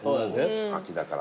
秋だから。